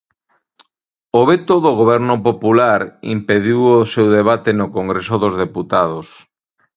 O veto do Goberno Popular impediu o seu debate no Congreso dos Deputados.